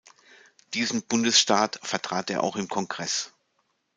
Diesen Bundesstaat vertrat er auch im Kongress.